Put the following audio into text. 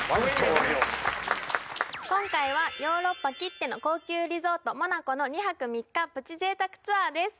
今回はヨーロッパきっての高級リゾートモナコの２泊３日プチ贅沢ツアーです